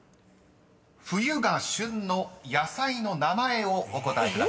［冬が旬の野菜の名前をお答えください］